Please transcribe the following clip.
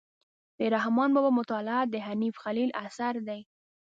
د رحمان بابا مطالعه د حنیف خلیل اثر دی.